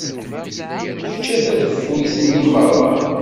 Yečča tadeffuyt-nni merra.